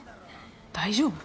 大丈夫？